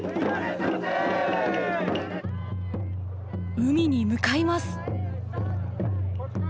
海に向かいます。